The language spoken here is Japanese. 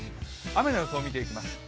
雨の予想を見てみます。